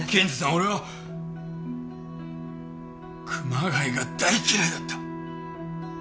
俺は熊谷が大嫌いだった。